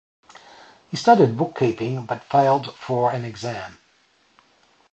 He studied bookkeeping but failed for an exam.